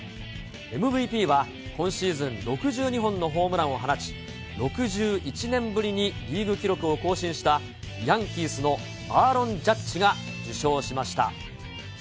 ＭＶＰは、今シーズン６２本のホームランを放ち、６１年ぶりにリーグ記録を更新した、ヤンキースのアーロン・ジャッジが受賞しました。